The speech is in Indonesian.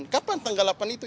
kapan tanggal delapan itu